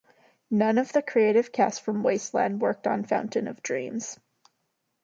None of the creative cast from "Wasteland" worked on "Fountain of Dreams".